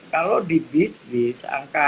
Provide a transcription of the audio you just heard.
kalau di bis bis